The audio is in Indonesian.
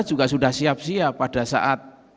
juga sudah siap siap pada saat